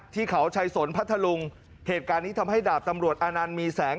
ที่เขาชัยสนพัทธลุงเหตุการณ์นี้ทำให้ดาบตำรวจอานันต์มีแสง